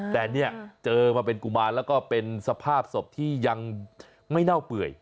แต่เนี่ยเจอมาเป็นกุมารแล้วก็เป็นสภาพศพที่ยังไม่เน่าเปื่อย